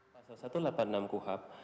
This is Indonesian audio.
pasal satu ratus delapan puluh enam kuhap